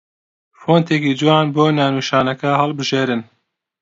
فۆنتێکی جوان بۆ ناونیشانەکە هەڵبژێن